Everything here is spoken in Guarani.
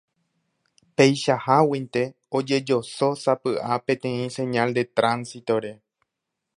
Peichaháguinte ojejosósapy'a peteĩ señal de tránsito-re.